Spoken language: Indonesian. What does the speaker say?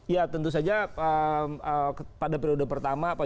ya tentu saja pada periode pertama